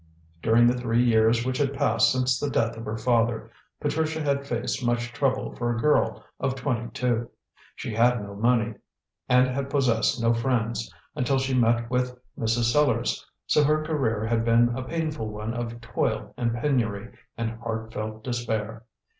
During the three years which had passed since the death of her father, Patricia had faced much trouble for a girl of twenty two. She had no money, and had possessed no friends until she met with Mrs. Sellars, so her career had been a painful one of toil and penury and heart felt despair.